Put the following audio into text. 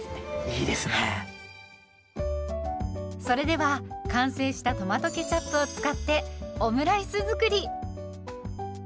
それでは完成したトマトケチャップを使ってオムライス作り。